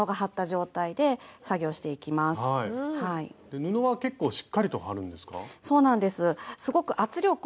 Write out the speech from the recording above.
布は結構しっかりと張るんですか？